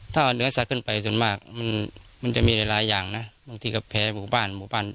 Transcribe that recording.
ถ้าเอาเนื้อสัตว์ขึ้นไปส่วนมากมันจะมีหลายอย่างนะบางทีก็แพ้หมู่บ้านหมู่บ้าน